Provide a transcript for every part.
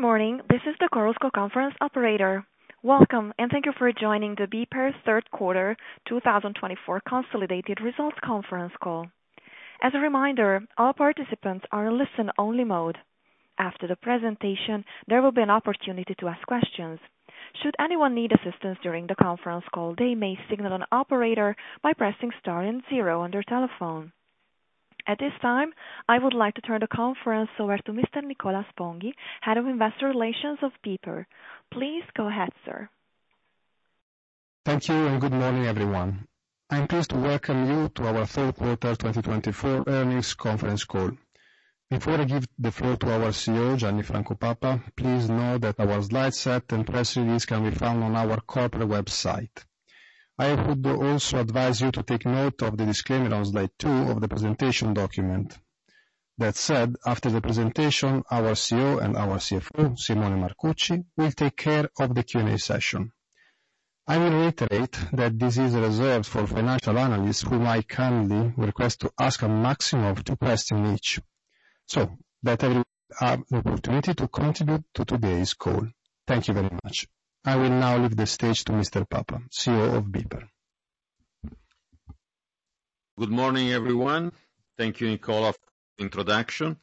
Good morning. This is the Chorus Call Conference Operator. Welcome, and thank you for joining the BPER's Third Quarter 2024 Consolidated Results Conference Call. As a reminder, all participants are in listen-only mode. After the presentation, there will be an opportunity to ask questions. Should anyone need assistance during the conference call, they may signal an operator by pressing star and zero on their telephone. At this time, I would like to turn the conference over to Mr. Nicola Sponghi, Head of Investor Relations of BPER. Please go ahead, sir. Thank you, and good morning, everyone. I'm pleased to welcome you to our Third Quarter 2024 Earnings Conference Call. Before I give the floor to our CEO, Gianni Franco Papa, please note that our slide set and press release can be found on our corporate website. I would also advise you to take note of the disclaimer on slide two of the presentation document. That said, after the presentation, our CEO and our CFO, Simone Marcucci, will take care of the Q&A session. I will reiterate that this is reserved for financial analysts whom I kindly request to ask a maximum of two questions each, so that everyone has the opportunity to contribute to today's call. Thank you very much. I will now leave the stage to Mr. Papa, CEO of BPER. Good morning, everyone. Thank you, Nicola, for the introduction.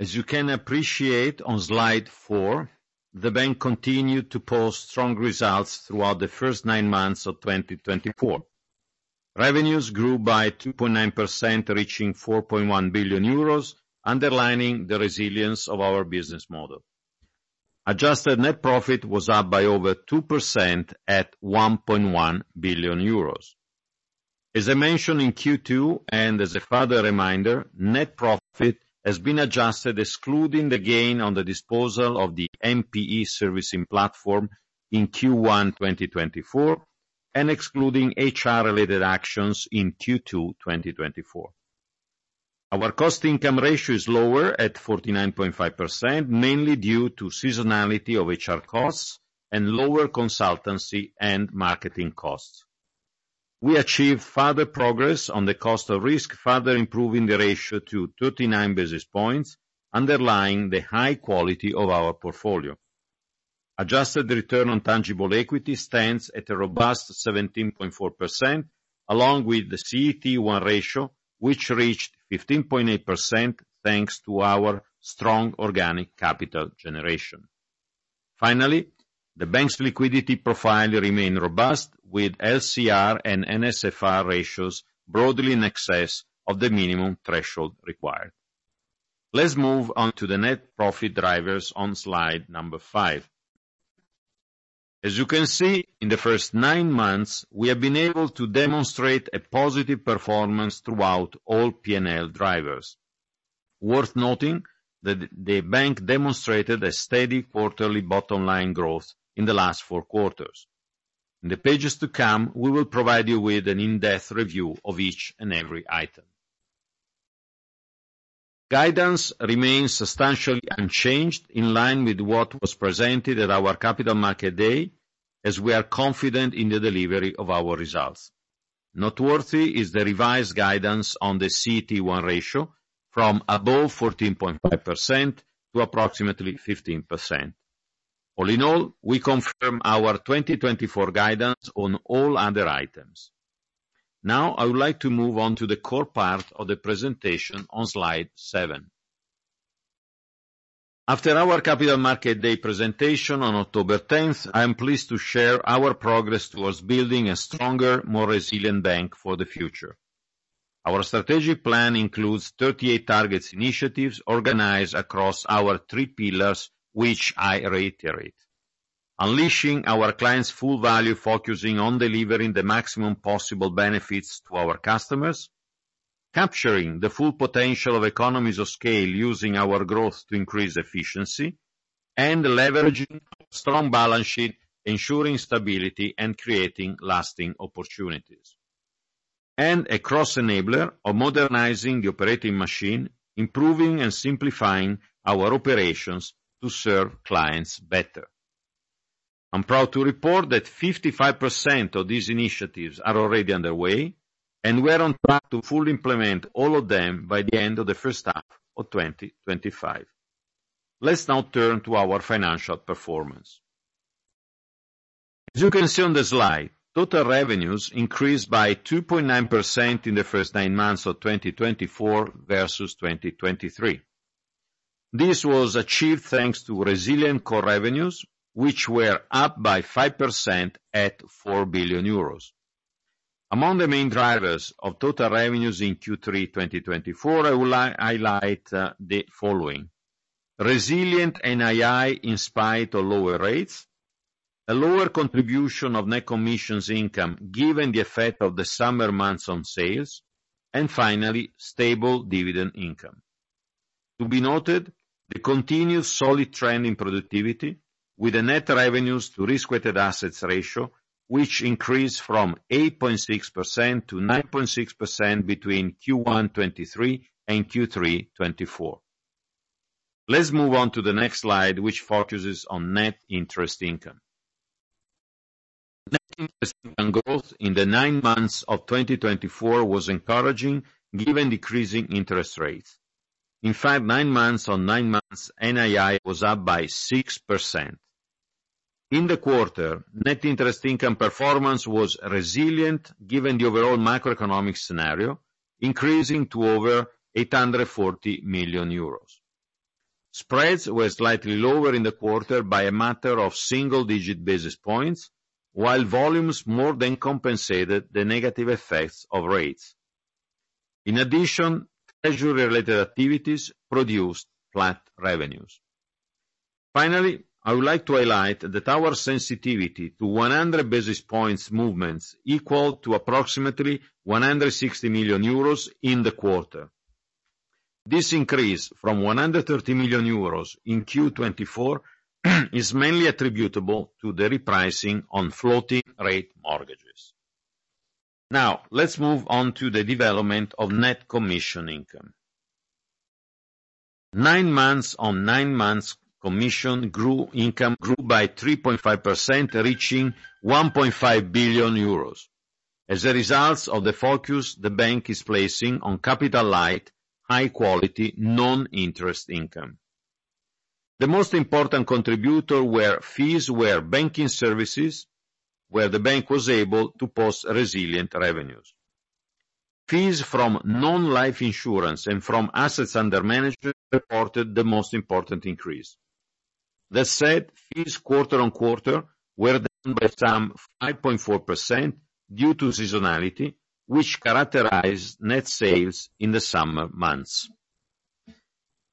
As you can appreciate, on slide four, the bank continued to post strong results throughout the first nine months of 2024. Revenues grew by 2.9%, reaching 4.1 billion euros, underlining the resilience of our business model. Adjusted net profit was up by over 2% at 1.1 billion euros. As I mentioned in Q2, and as a further reminder, net profit has been adjusted, excluding the gain on the disposal of the NPE servicing platform in Q1 2024 and excluding HR-related actions in Q2 2024. Our cost-to-income ratio is lower at 49.5%, mainly due to seasonality of HR costs and lower consultancy and marketing costs. We achieved further progress on the cost of risk, further improving the ratio to 39 basis points, underlying the high quality of our portfolio. Adjusted return on tangible equity stands at a robust 17.4%, along with the CET1 ratio, which reached 15.8% thanks to our strong organic capital generation. Finally, the bank's liquidity profile remained robust, with LCR and NSFR ratios broadly in excess of the minimum threshold required. Let's move on to the net profit drivers on slide number five. As you can see, in the first nine months, we have been able to demonstrate a positive performance throughout all P&L drivers. Worth noting that the bank demonstrated a steady quarterly bottom line growth in the last four quarters. In the pages to come, we will provide you with an in-depth review of each and every item. Guidance remains substantially unchanged, in line with what was presented at our Capital Market Day, as we are confident in the delivery of our results. Noteworthy is the revised guidance on the CET1 ratio, from above 14.5% to approximately 15%. All in all, we confirm our 2024 guidance on all other items. Now, I would like to move on to the core part of the presentation on slide seven. After our Capital Market Day presentation on October 10th, I am pleased to share our progress towards building a stronger, more resilient bank for the future. Our strategic plan includes 38 target initiatives organized across our three pillars, which I reiterate: unleashing our clients' full value, focusing on delivering the maximum possible benefits to our customers, capturing the full potential of economies of scale using our growth to increase efficiency, and leveraging our strong balance sheet, ensuring stability and creating lasting opportunities, and a cross-enabler of modernizing the operating machine, improving and simplifying our operations to serve clients better. I'm proud to report that 55% of these initiatives are already underway, and we are on track to fully implement all of them by the end of the first half of 2025. Let's now turn to our financial performance. As you can see on the slide, total revenues increased by 2.9% in the first nine months of 2024 versus 2023. This was achieved thanks to resilient core revenues, which were up by 5% at 4 billion euros. Among the main drivers of total revenues in Q3 2024, I would highlight the following: resilient NII in spite of lower rates, a lower contribution of net commission income given the effect of the summer months on sales, and finally, stable dividend income. To be noted, the continued solid trend in productivity, with the net revenues to risk-weighted assets ratio, which increased from 8.6% to 9.6% between Q1 2023 and Q3 2024. Let's move on to the next slide, which focuses on net interest income. Net interest income growth in the nine months of 2024 was encouraging, given decreasing interest rates. In fact, nine months on nine months, NII was up by 6%. In the quarter, net interest income performance was resilient, given the overall macroeconomic scenario, increasing to over 840 million euros. Spreads were slightly lower in the quarter by a matter of single-digit basis points, while volumes more than compensated the negative effects of rates. In addition, treasury-related activities produced flat revenues. Finally, I would like to highlight that our sensitivity to 100 basis points movements equaled to approximately 160 million euros in the quarter. This increase from 130 million euros in Q2 2024 is mainly attributable to the repricing on floating-rate mortgages. Now, let's move on to the development of net commission income. Nine months on nine months, commission income grew by 3.5%, reaching 1.5 billion euros. As a result of the focus the bank is placing on capital-light, high-quality, non-interest income, the most important contributor was fees for banking services where the bank was able to post resilient revenues. Fees from non-life insurance and from assets under management reported the most important increase. That said, fees quarter on quarter were down by some 5.4% due to seasonality, which characterized net sales in the summer months.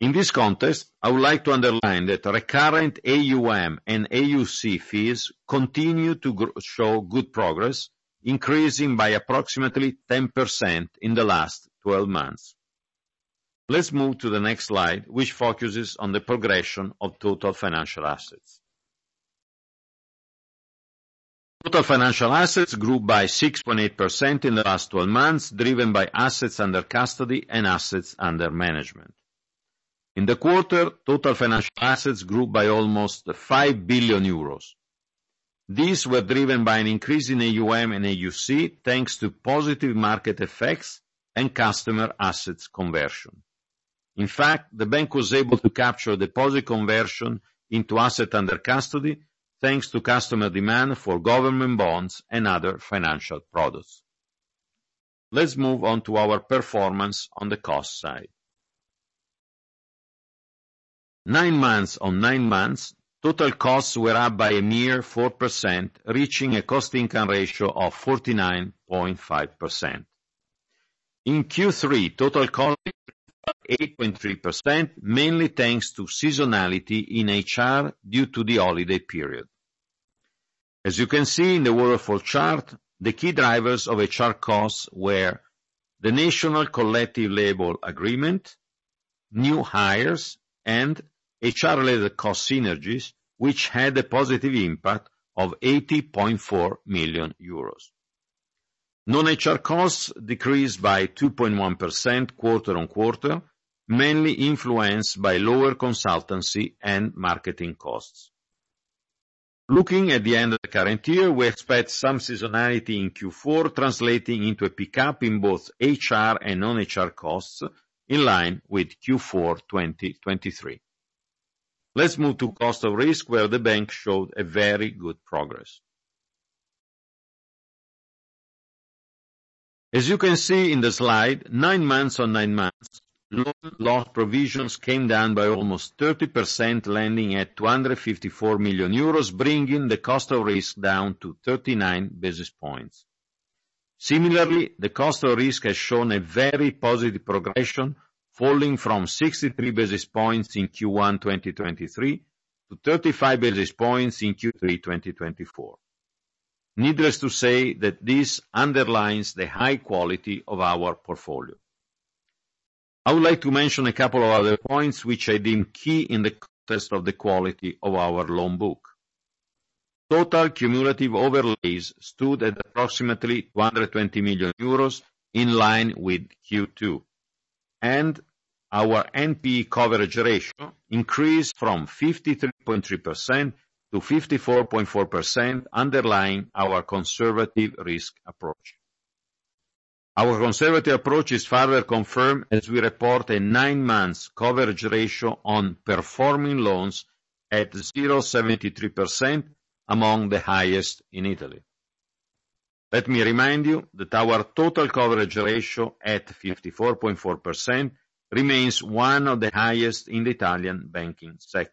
In this context, I would like to underline that recurrent AUM and AUC fees continue to show good progress, increasing by approximately 10% in the last 12 months. Let's move to the next slide, which focuses on the progression of total financial assets. Total financial assets grew by 6.8% in the last 12 months, driven by assets under custody and assets under management. In the quarter, total financial assets grew by almost 5 billion euros. These were driven by an increase in AUM and AUC thanks to positive market effects and customer assets conversion. In fact, the bank was able to capture deposit conversion into assets under custody thanks to customer demand for government bonds and other financial products. Let's move on to our performance on the cost side. Nine months on nine months, total costs were up by a mere 4%, reaching a cost-to-income ratio of 49.5%. In Q3, total costs increased by 8.3%, mainly thanks to seasonality in HR due to the holiday period. As you can see in the waterfall chart, the key drivers of HR costs were the National Collective Labor Agreement, new hires, and HR-related cost synergies, which had a positive impact of 80.4 million euros. Non-HR costs decreased by 2.1% quarter on quarter, mainly influenced by lower consultancy and marketing costs. Looking at the end of the current year, we expect some seasonality in Q4, translating into a pickup in both HR and non-HR costs in line with Q4 2023. Let's move to cost of risk, where the bank showed very good progress. As you can see in the slide, nine months on nine months, loss provisions came down by almost 30%, landing at 254 million euros, bringing the cost of risk down to 39 basis points. Similarly, the cost of risk has shown a very positive progression, falling from 63 basis points in Q1 2023 to 35 basis points in Q3 2024. Needless to say that this underlines the high quality of our portfolio. I would like to mention a couple of other points which I deem key in the context of the quality of our loan book. Total cumulative overlays stood at approximately 220 million euros in line with Q2, and our NPE coverage ratio increased from 53.3% to 54.4%, underlying our conservative risk approach. Our conservative approach is further confirmed as we report a nine-month coverage ratio on performing loans at 0.73%, among the highest in Italy. Let me remind you that our total coverage ratio at 54.4% remains one of the highest in the Italian banking sector.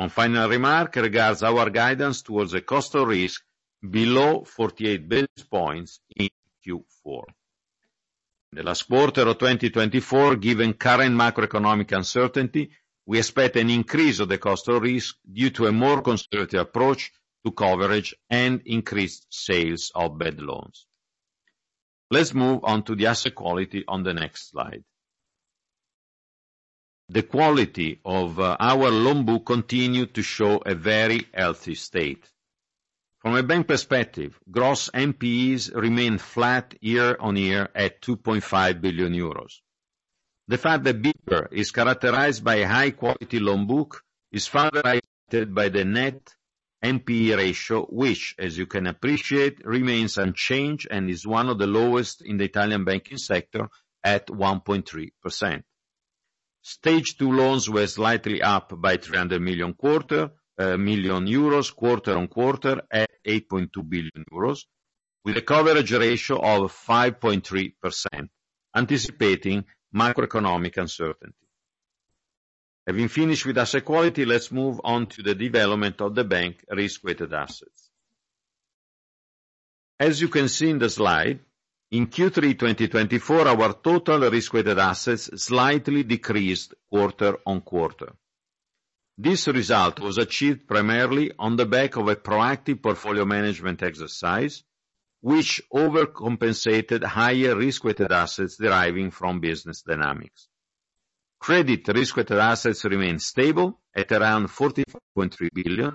One final remark regards our guidance towards a cost of risk below 48 basis points in Q4. In the last quarter of 2024, given current macroeconomic uncertainty, we expect an increase of the cost of risk due to a more conservative approach to coverage and increased sales of bad loans. Let's move on to the asset quality on the next slide. The quality of our loan book continued to show a very healthy state. From a bank perspective, gross NPEs remained flat year on year at 2.5 billion euros. The fact that BPER is characterized by a high-quality loan book is further highlighted by the net NPE ratio, which, as you can appreciate, remains unchanged and is one of the lowest in the Italian banking sector at 1.3%. Stage 2 loans were slightly up by 300 million euros quarter on quarter at 8.2 billion euros, with a coverage ratio of 5.3%, anticipating macroeconomic uncertainty. Having finished with asset quality, let's move on to the development of the bank's risk-weighted assets. As you can see in the slide, in Q3 2024, our total risk-weighted assets slightly decreased quarter on quarter. This result was achieved primarily on the back of a proactive portfolio management exercise, which overcompensated higher risk-weighted assets deriving from business dynamics. Credit risk-weighted assets remained stable at around 45.3 billion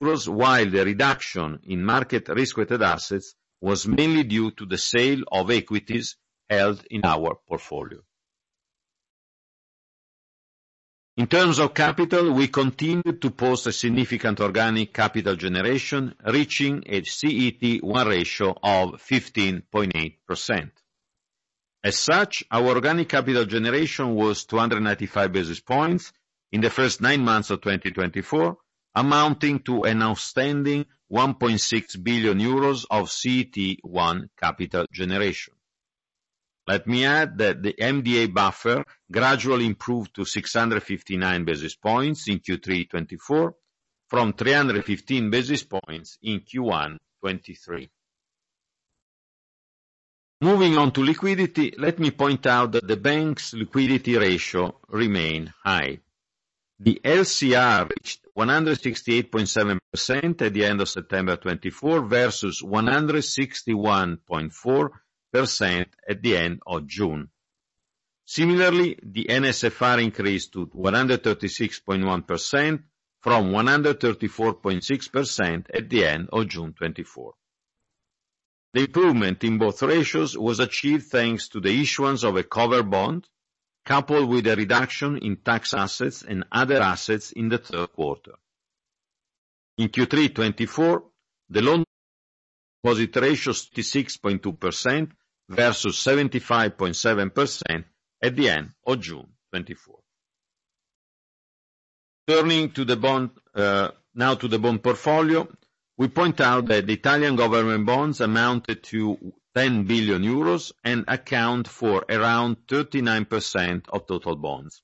euros, while the reduction in market risk-weighted assets was mainly due to the sale of equities held in our portfolio. In terms of capital, we continued to post a significant organic capital generation, reaching a CET1 ratio of 15.8%. As such, our organic capital generation was 295 basis points in the first nine months of 2024, amounting to an outstanding 1.6 billion euros of CET1 capital generation. Let me add that the MDA buffer gradually improved to 659 basis points in Q3 2024, from 315 basis points in Q1 2023. Moving on to liquidity, let me point out that the bank's liquidity ratio remained high. The LCR reached 168.7% at the end of September 2024 versus 161.4% at the end of June 2024. Similarly, the NSFR increased to 136.1%, from 134.6% at the end of June 2024. The improvement in both ratios was achieved thanks to the issuance of a covered bond, coupled with a reduction in tax assets and other assets in the third quarter. In Q3 2024, the loan deposit ratio was 66.2% versus 75.7% at the end of June 2024. Turning now to the bond portfolio, we point out that the Italian government bonds amounted to 10 billion euros and account for around 39% of total bonds.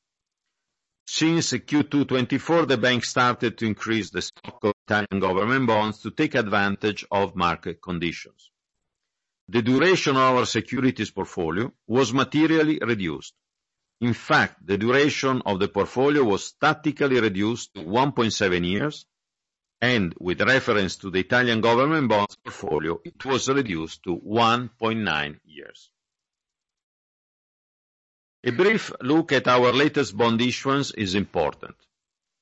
Since Q2 2024, the bank started to increase the stock of Italian government bonds to take advantage of market conditions. The duration of our securities portfolio was materially reduced. In fact, the duration of the portfolio was tactically reduced to 1.7 years, and with reference to the Italian government bonds portfolio, it was reduced to 1.9 years. A brief look at our latest bond issuance is important.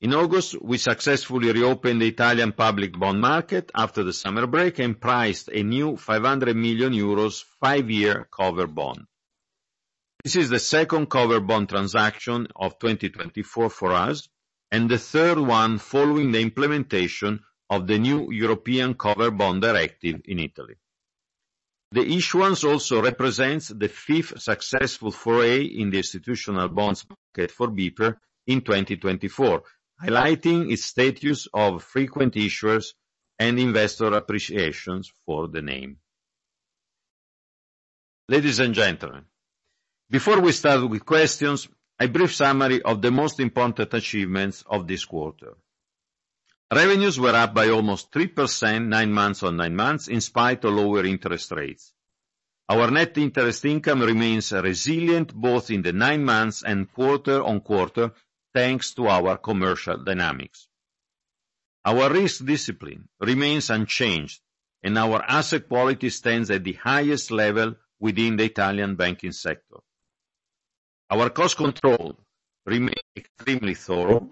In August, we successfully reopened the Italian public bond market after the summer break and priced a new 500 million euros five-year covered bond. This is the second covered bond transaction of 2024 for us, and the third one following the implementation of the new European Covered Bond Directive in Italy. The issuance also represents the fifth successful foray in the institutional bonds market for BPER in 2024, highlighting its status of frequent issuers and investor appreciations for the name. Ladies and gentlemen, before we start with questions, a brief summary of the most important achievements of this quarter. Revenues were up by almost 3% nine months on nine months in spite of lower interest rates. Our net interest income remains resilient both in the nine months and quarter on quarter thanks to our commercial dynamics. Our risk discipline remains unchanged, and our asset quality stands at the highest level within the Italian banking sector. Our cost control remains extremely thorough.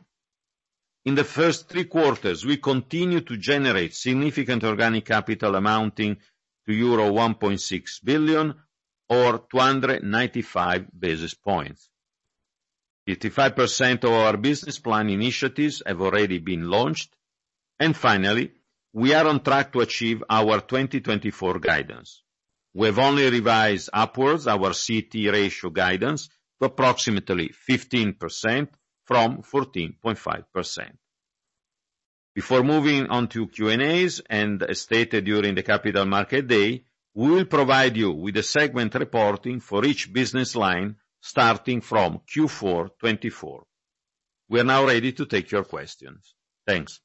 In the first three quarters, we continued to generate significant organic capital amounting to euro 1.6 billion or 295 basis points. 55% of our business plan initiatives have already been launched, and finally, we are on track to achieve our 2024 guidance. We have only revised upwards our CET1 ratio guidance to approximately 15% from 14.5%. Before moving on to Q&As and as stated during the Capital Market Day, we will provide you with a segment reporting for each business line starting from Q4 2024. We are now ready to take your questions. Thanks.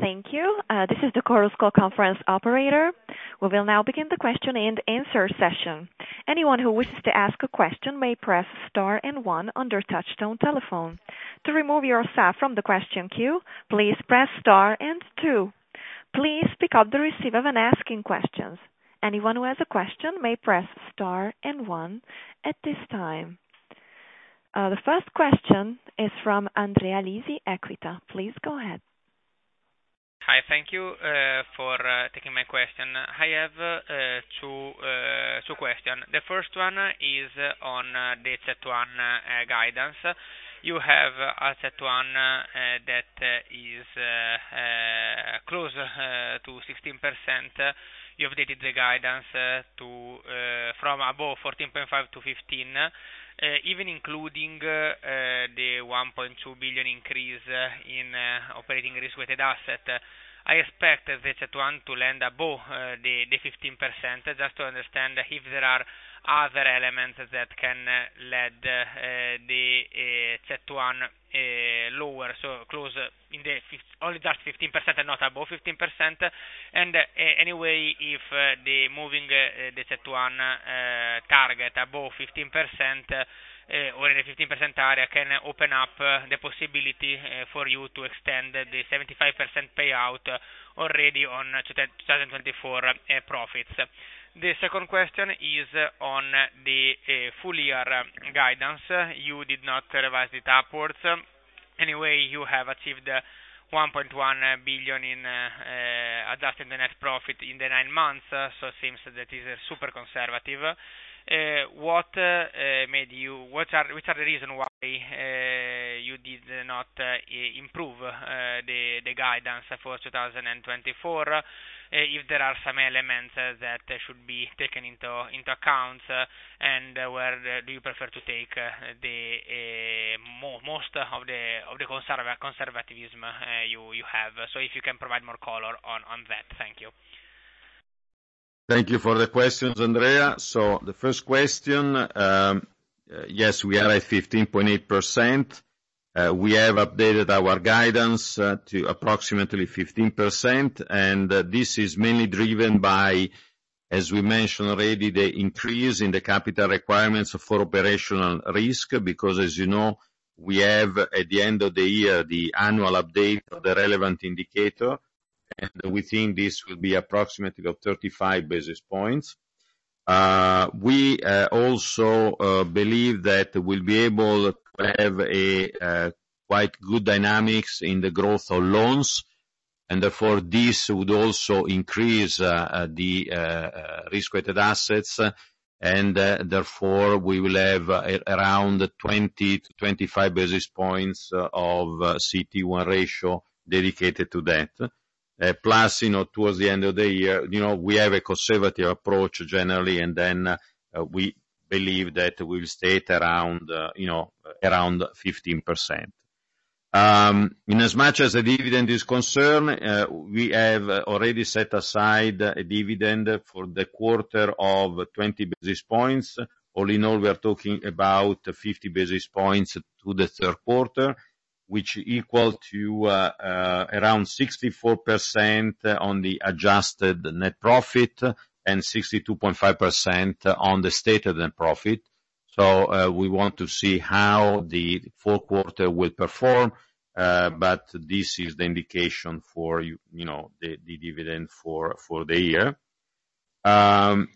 Thank you. This is the Chorus Call conference operator. We will now begin the question and answer session. Anyone who wishes to ask a question may press star and one under touch-tone telephone. To remove yourself from the question queue, please press star and two. Please pick up the receiver when asking questions. Anyone who has a question may press star and one at this time. The first question is from Andrea Lisi, Equita. Please go ahead. Hi, thank you for taking my question. I have two questions. The first one is on the CET1 guidance. You have a CET1 that is close to 16%. You updated the guidance from above 14.5% to 15%, even including the 1.2 billion increase in operational risk-weighted asset. I expect the CET1 to land above the 15%, just to understand if there are other elements that can lead the CET1 lower, so close to only just 15% and not above 15%. And anyway, if moving the CET1 target above 15% or in the 15% area can open up the possibility for you to extend the 75% payout already on 2024 profits. The second question is on the full year guidance. You did not revise the upwards. Anyway, you have achieved 1.1 billion in adjusted net profit in the nine months, so it seems that is super conservative. What made you—what are the reasons why you did not improve the guidance for 2024? If there are some elements that should be taken into account, and where do you prefer to take the most of the conservatism you have? So if you can provide more color on that, thank you. Thank you for the questions, Andrea. So the first question, yes, we are at 15.8%. We have updated our guidance to approximately 15%, and this is mainly driven by, as we mentioned already, the increase in the capital requirements for operational risk, because, as you know, we have at the end of the year the annual update of the relevant indicator, and we think this will be approximately 35 basis points. We also believe that we'll be able to have quite good dynamics in the growth of loans, and therefore this would also increase the risk-weighted assets, and therefore we will have around 20 to 25 basis points of CET1 ratio dedicated to that. Plus, towards the end of the year, we have a conservative approach generally, and then we believe that we will stay at around 15%. In as much as the dividend is concerned, we have already set aside a dividend for the quarter of 20 basis points. All in all, we are talking about 50 basis points to the third quarter, which equals to around 64% on the adjusted net profit and 62.5% on the stated net profit. So we want to see how the fourth quarter will perform, but this is the indication for the dividend for the year.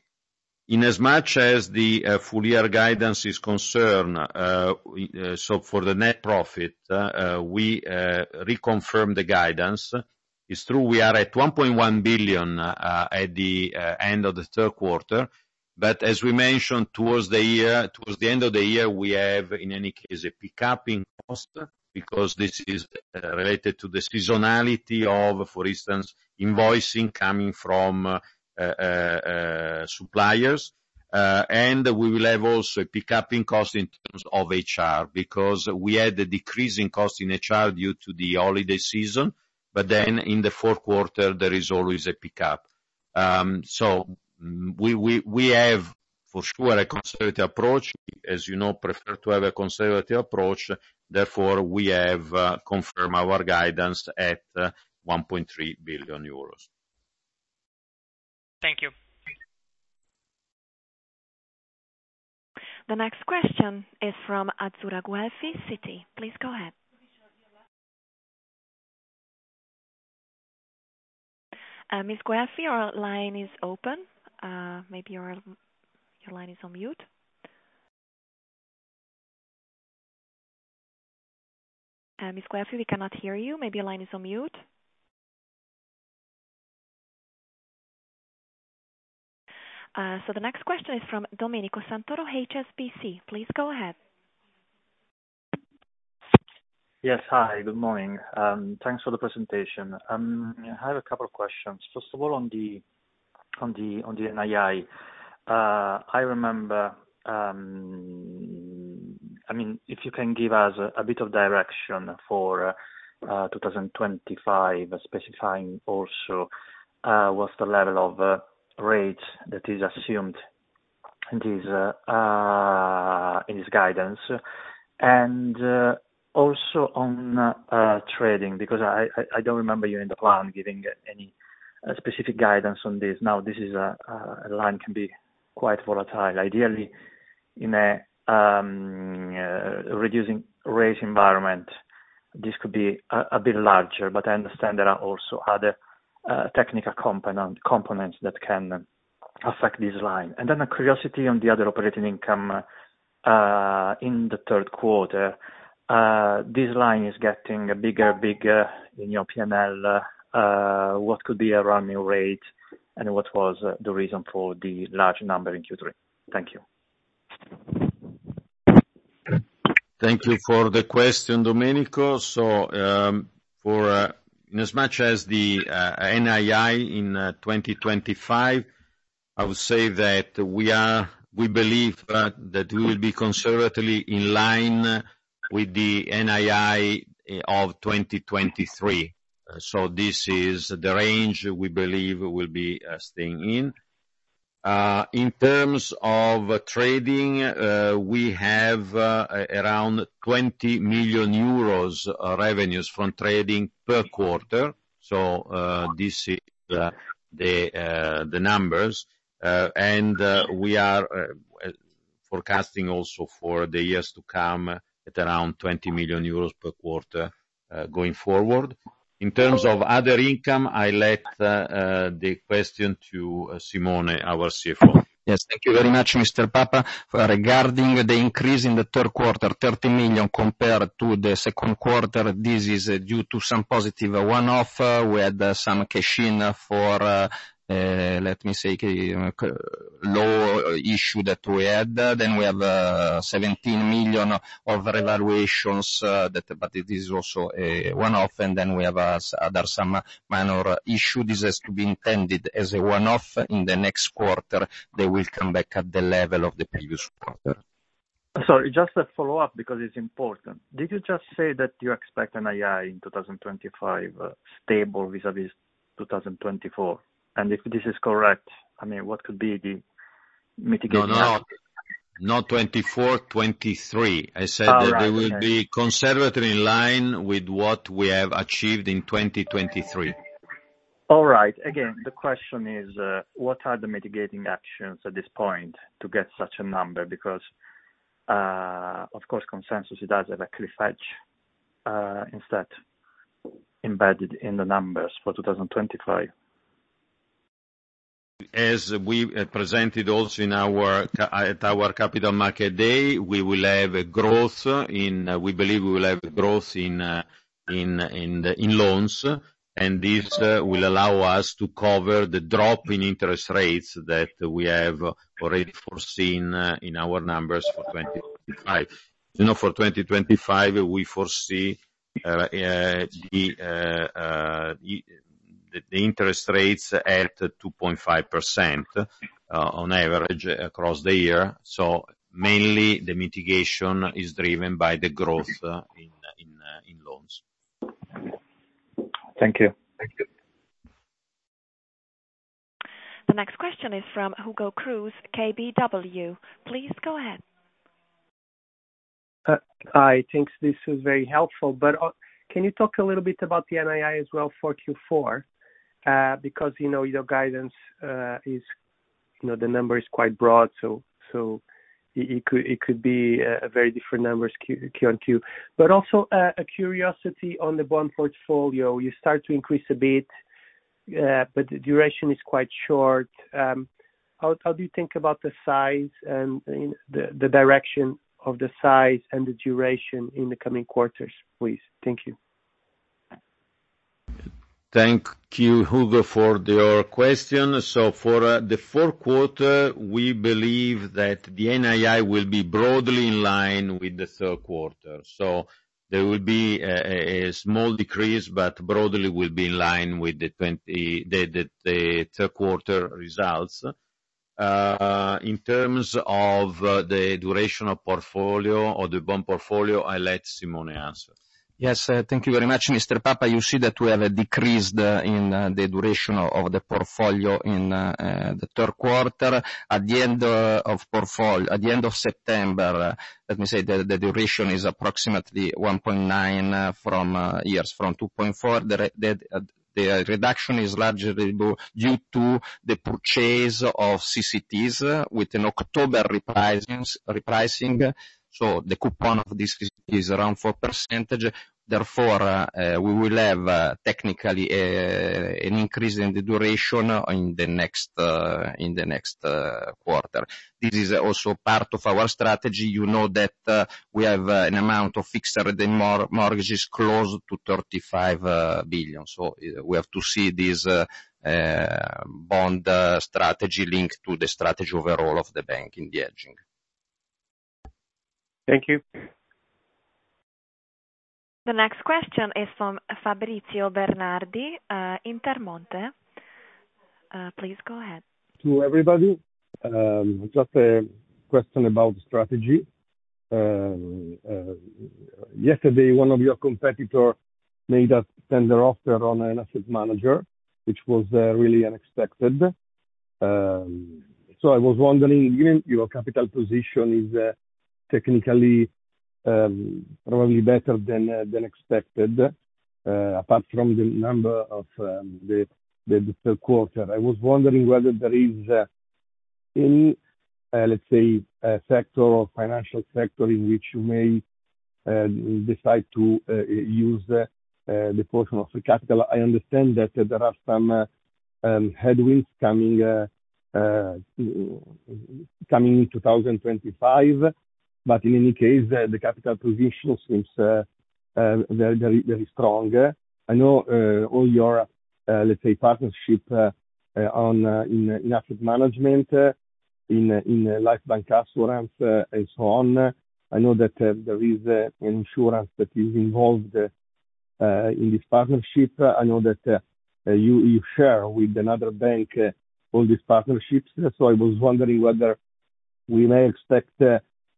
In as much as the full year guidance is concerned, so for the net profit, we reconfirmed the guidance. It's true we are at 1.1 billion at the end of the third quarter, but as we mentioned, towards the end of the year, we have in any case a pickup in cost because this is related to the seasonality of, for instance, invoicing coming from suppliers. We will have also a pickup in cost in terms of HR because we had a decrease in cost in HR due to the holiday season, but then in the fourth quarter, there is always a pickup. So we have for sure a conservative approach. As you know, prefer to have a conservative approach. Therefore, we have confirmed our guidance at 1.3 billion euros. Thank you. The next question is from Azzurra Guelfi, Citi. Please go ahead. Ms. Guelfi, our line is open. Maybe your line is on mute. Ms. Guelfi, we cannot hear you. Maybe your line is on mute. So the next question is from Domenico Santoro, HSBC. Please go ahead. Yes, hi. Good morning. Thanks for the presentation. I have a couple of questions. First of all, on the NII, I remember, I mean, if you can give us a bit of direction for 2025, specifying also what's the level of rate that is assumed in this guidance. And also on trading, because I don't remember you in the plan giving any specific guidance on this. Now, this line can be quite volatile. Ideally, in a reducing rate environment, this could be a bit larger, but I understand there are also other technical components that can affect this line. And then a curiosity on the other operating income in the third quarter, this line is getting bigger and bigger in your P&L. What could be a running rate and what was the reason for the large number in Q3? Thank you. Thank you for the question, Domenico. So, in as much as the NII in 2025, I would say that we believe that we will be conservatively in line with the NII of 2023. So this is the range we believe we'll be staying in. In terms of trading, we have around EUR 20 million revenues from trading per quarter. So this is the numbers. And we are forecasting also for the years to come at around 20 million euros per quarter going forward. In terms of other income, I left the question to Simone, our CFO. Yes, thank you very much, Mr. Papa, regarding the increase in the third quarter, 30 million compared to the second quarter. This is due to some positive one-off. We had some cash in for, let me say, law issue that we had. Then we have EUR 17 million revaluations, but this is also a one-off. Then we have some minor issue. This has to be intended as a one-off. In the next quarter, they will come back at the level of the previous quarter. Sorry, just a follow-up because it's important. Did you just say that you expect NII in 2025 stable vis-à-vis 2024? And if this is correct, I mean, what could be the mitigation? Not 2024, 2023. I said that we will be conservative in line with what we have achieved in 2023. All right. Again, the question is, what are the mitigating actions at this point to get such a number? Because, of course, consensus it does have a leverage instead embedded in the numbers for 2025. As we presented also at our Capital Market Day, we will have a growth in, we believe we will have growth in loans, and this will allow us to cover the drop in interest rates that we have already foreseen in our numbers for 2025. For 2025, we foresee the interest rates at 2.5% on average across the year. So mainly, the mitigation is driven by the growth in loans. Thank you. Thank you. The next question is from Hugo Cruz, KBW. Please go ahead. Hi, thanks. This is very helpful. But can you talk a little bit about the NII as well for Q4? Because your guidance is, the number is quite broad, so it could be very different numbers Q on Q. But also a curiosity on the bond portfolio. You start to increase a bit, but the duration is quite short. How do you think about the size and the direction of the size and the duration in the coming quarters, please? Thank you. Thank you, Hugo, for your question. So for the fourth quarter, we believe that the NII will be broadly in line with the third quarter. So there will be a small decrease, but broadly will be in line with the third quarter results. In terms of the duration of portfolio or the bond portfolio, I'll let Simone answer. Yes, thank you very much, Mr. Papa. You see that we have a decrease in the duration of the portfolio in the third quarter. At the end of September, let me say that the duration is approximately 1.9 years, from 2.4. The reduction is largely due to the purchase of CCTs with an October repricing. So the coupon of this is around 4%. Therefore, we will have technically an increase in the duration in the next quarter. This is also part of our strategy. You know that we have an amount of fixed rate and mortgages close to 35 billion. So we have to see this bond strategy linked to the strategy overall of the bank in the hedging. Thank you. The next question is from Fabrizio Bernardi, Intermonte. Please go ahead. To everybody, just a question about the strategy. Yesterday, one of your competitors made a tender offer on an asset manager, which was really unexpected. So I was wondering, given your capital position is technically probably better than expected, apart from the number of the third quarter, I was wondering whether there is any, let's say, sector or financial sector in which you may decide to use the portion of the capital. I understand that there are some headwinds coming in 2025, but in any case, the capital position seems very, very strong. I know all your, let's say, partnership in asset management, in life bancassurance, and so on. I know that there is an insurance that is involved in this partnership. I know that you share with another bank all these partnerships. So I was wondering whether we may expect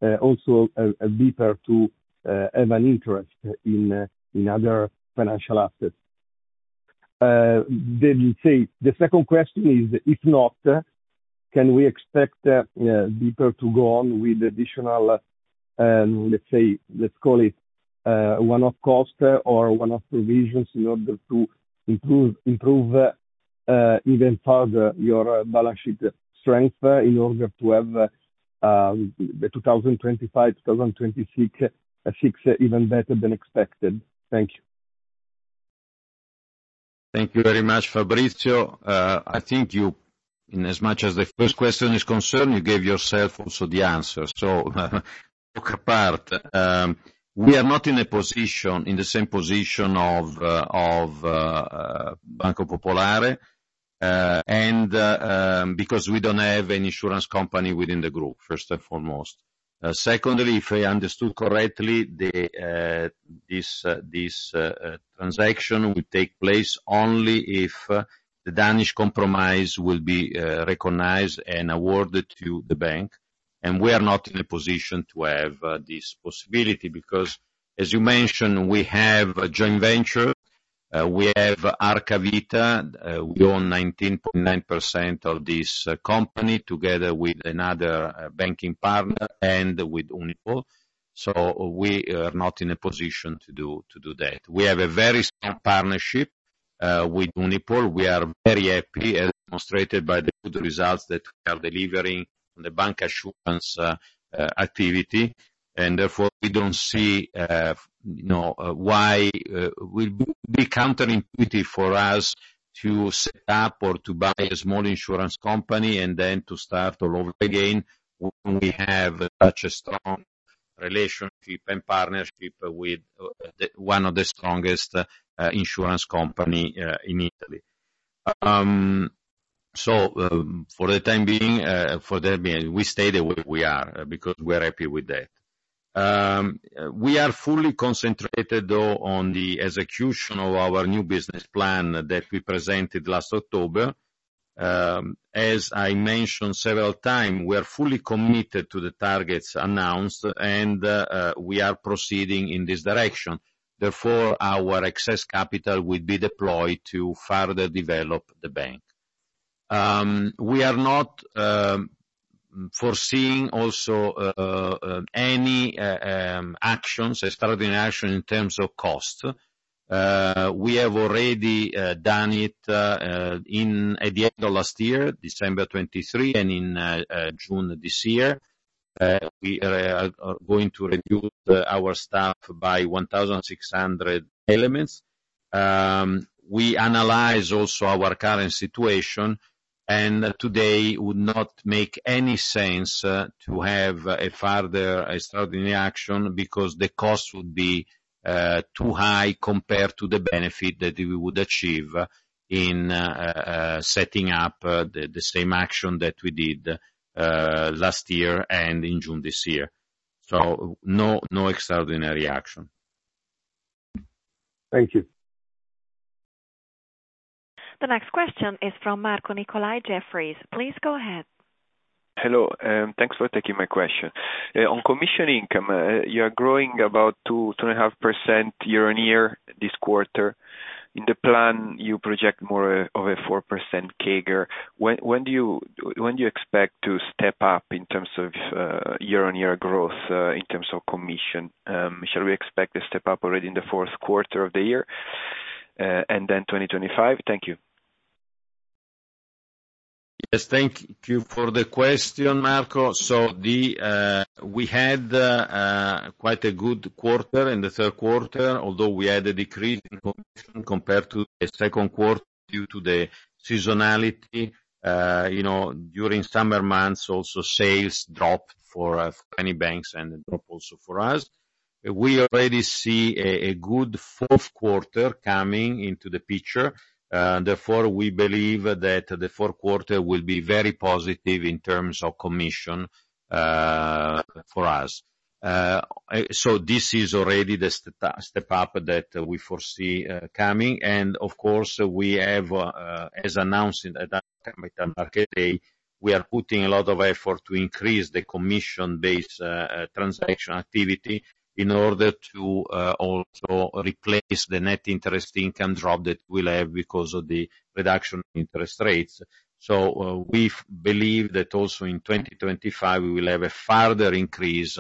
also a BPER to have an interest in other financial assets. The second question is, if not, can we expect BPER to go on with additional, let's say, let's call it one-off cost or one-off provisions in order to improve even further your balance sheet strength in order to have the 2025-2026 even better than expected? Thank you. Thank you very much, Fabrizio. I think you, inasmuch as the first question is concerned, you gave yourself also the answer, so apart, we are not in the same position of Banco Popolare, and because we don't have an insurance company within the group, first and foremost. Secondly, if I understood correctly, this transaction will take place only if the Danish Compromise will be recognized and awarded to the bank, and we are not in a position to have this possibility because, as you mentioned, we have a joint venture. We have Arca Vita. We own 19.9% of this company together with another banking partner and with Unipol, so we are not in a position to do that. We have a very strong partnership with Unipol. We are very happy, as demonstrated by the results that we are delivering on the bancassurance activity. And therefore, we don't see why it would be counterintuitive for us to set up or to buy a small insurance company and then to start all over again when we have such a strong relationship and partnership with one of the strongest insurance companies in Italy. So for the time being, we stay the way we are because we are happy with that. We are fully concentrated, though, on the execution of our new business plan that we presented last October. As I mentioned several times, we are fully committed to the targets announced, and we are proceeding in this direction. Therefore, our excess capital will be deployed to further develop the bank. We are not foreseeing also any extraordinary action in terms of cost. We have already done it at the end of last year, December 2023, and in June this year. We are going to reduce our staff by 1,600 elements. We analyze also our current situation, and today would not make any sense to have a further extraordinary action because the cost would be too high compared to the benefit that we would achieve in setting up the same action that we did last year and in June this year. So no extraordinary action. Thank you. The next question is from Marco Nicolai, Jefferies. Please go ahead. Hello. Thanks for taking my question. On commission income, you are growing about 2.5% year on year this quarter. In the plan, you project more of a 4% CAGR. When do you expect to step up in terms of year-on-year growth in terms of commission? Shall we expect a step up already in the fourth quarter of the year and then 2025? Thank you. Yes, thank you for the question, Marco. So we had quite a good quarter in the third quarter, although we had a decrease in commission compared to the second quarter due to the seasonality. During summer months, also sales dropped for many banks and dropped also for us. We already see a good fourth quarter coming into the picture. Therefore, we believe that the fourth quarter will be very positive in terms of commission for us. So this is already the step up that we foresee coming. And of course, we have, as announced at our time by Capital Market Day, we are putting a lot of effort to increase the commission-based transaction activity in order to also replace the net interest income drop that we'll have because of the reduction in interest rates. So we believe that also in 2025, we will have a further increase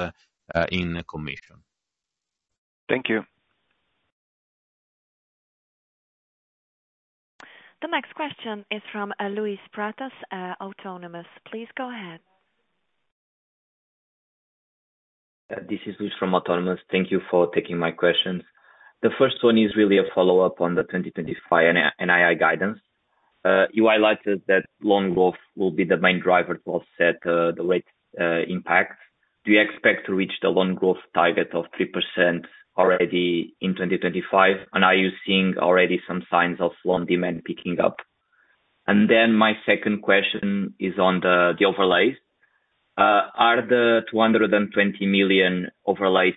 in commission. Thank you. The next question is from Luis Pratas, Autonomous. Please go ahead. This is Luis from Autonomous. Thank you for taking my questions. The first one is really a follow-up on the 2025 NII guidance. You highlighted that loan growth will be the main driver to offset the rate impact. Do you expect to reach the loan growth target of 3% already in 2025? And are you seeing already some signs of loan demand picking up? And then my second question is on the overlays. Are the 220 million overlays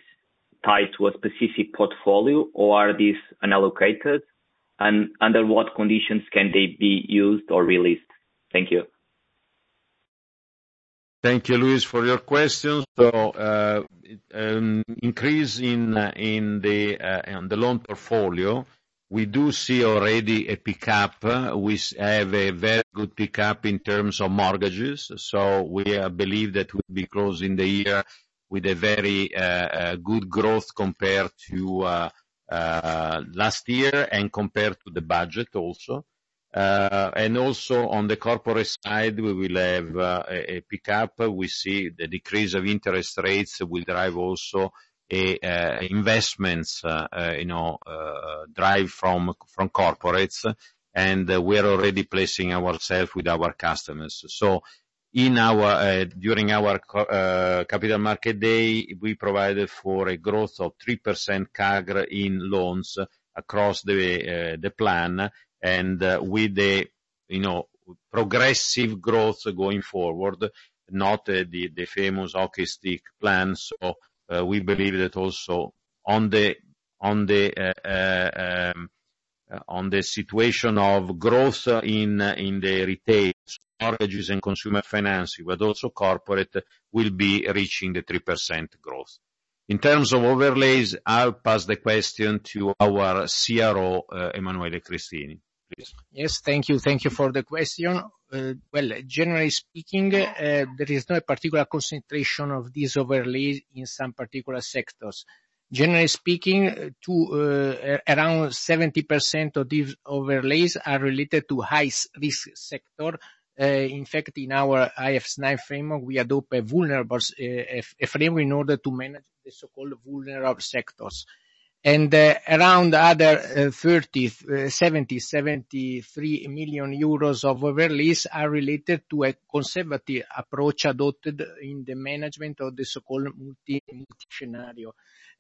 tied to a specific portfolio, or are these unallocated? And under what conditions can they be used or released? Thank you. Thank you, Luis, for your questions. So increase in the loan portfolio. We do see already a pickup. We have a very good pickup in terms of mortgages. So we believe that we'll be closing the year with a very good growth compared to last year and compared to the budget also. And also on the corporate side, we will have a pickup. We see the decrease of interest rates will drive also investments drive from corporates. And we are already placing ourselves with our customers. So during our capital market day, we provided for a growth of 3% CAGR in loans across the plan. And with the progressive growth going forward, not the famous hockey stick plan. So we believe that also on the situation of growth in the retail, mortgages, and consumer financing, but also corporate, we'll be reaching the 3% growth. In terms of overlays, I'll pass the question to our CRO, Emanuele Cristini. Please. Yes, thank you. Thank you for the question. Generally speaking, there is no particular concentration of these overlays in some particular sectors. Generally speaking, around 70% of these overlays are related to high-risk sector. In fact, in our IFRS 9 framework, we adopt a vulnerable framework in order to manage the so-called vulnerable sectors. Around other 70, 73 million euros of overlays are related to a conservative approach adopted in the management of the so-called multi-scenario.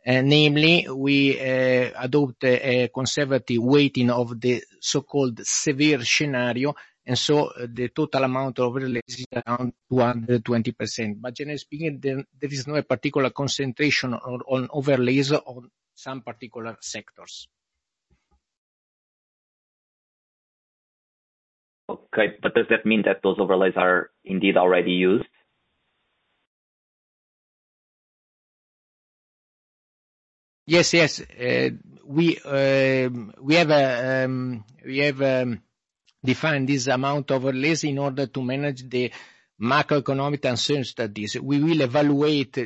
Namely, we adopt a conservative weighting of the so-called severe scenario. So the total amount of overlays is around 220%. Generally speaking, there is no particular concentration on overlays on some particular sectors. Okay. Does that mean that those overlays are indeed already used? Yes, yes. We have defined this amount of overlays in order to manage the macroeconomic concerns that these. We will evaluate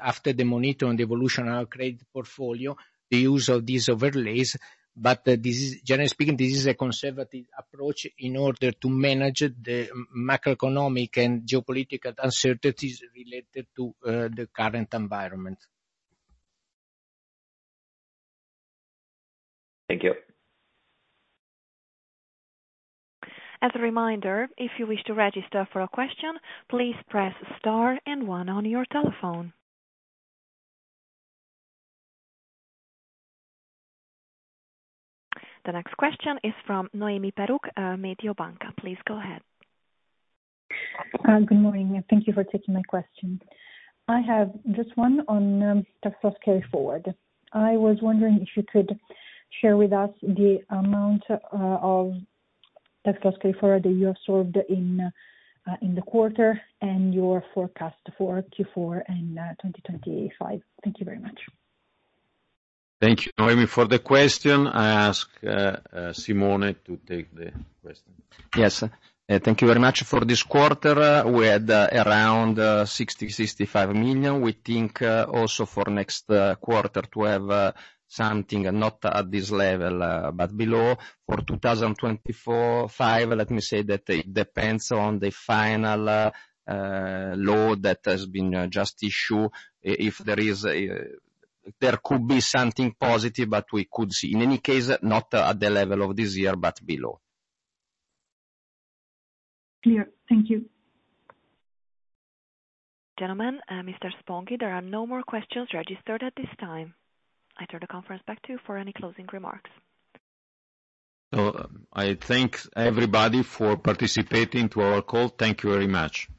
after monitoring the evolution of our credit portfolio the use of these overlays. But generally speaking, this is a conservative approach in order to manage the macroeconomic and geopolitical uncertainties related to the current environment. Thank you. As a reminder, if you wish to register for a question, please press star and one on your telephone. The next question is from Noemi Peruch, Mediobanca. Please go ahead. Good morning. Thank you for taking my question. I have just one on tax loss carry forward. I was wondering if you could share with us the amount of tax loss carry forward that you absorbed in the quarter and your forecast for Q4 and 2025. Thank you very much. Thank you, Noemi, for the question. I ask Simone to take the question. Yes. Thank you very much. For this quarter, we had around 60-65 million. We think also for next quarter to have something not at this level, but below. For 2025, let me say that it depends on the final law that has been just issued. If there is, there could be something positive, but we could see. In any case, not at the level of this year, but below. Clear. Thank you. Gentlemen, Mr. Sponghi, there are no more questions registered at this time. I turn the conference back to you for any closing remarks. So I thank everybody for participating to our call. Thank you very much.